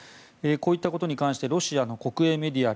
こういったことに関してロシアの国営メディアＲＩＡ